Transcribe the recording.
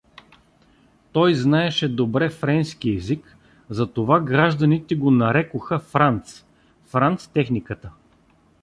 Той знаеше добре френски език, затова гражданите го нарекоха Франц — Франц Техниката.